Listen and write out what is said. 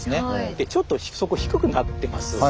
でちょっとそこ低くなってます。